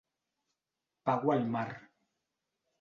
Pago al mar.